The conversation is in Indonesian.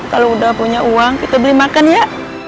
kalau udah punya uang kita beli makan ya